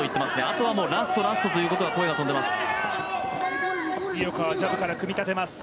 あとはもうラスト、ラストという声が飛んでいます。